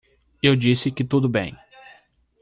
Eu disse que tudo bem.